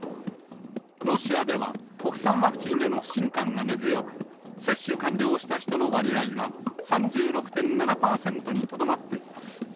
ロシアでは、国産ワクチンへの不信感が根強く、接種完了した人の割合は、３６．７％にとどまっています。